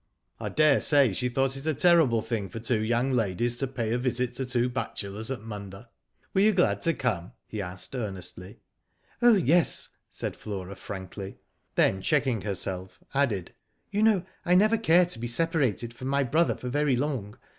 " I dare say she thought it a terrible thing for two young ladies to pay a visit to two bachelors at Munda. Were you glad to come?" he asked, earnestly. "Oh, yes," said Flora, frankly;, then, checking Digitized byGoogk A RATTLING GALLOP, idj herself, added, '* you know 1 never care to be separated from my brother for very long.